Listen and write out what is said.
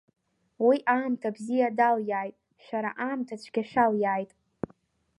Уи аамҭа бзиа далиааит, шәара аамҭа цәгьа шәалиааит.